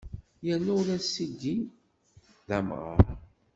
Yerna ula d Sidi d amɣar!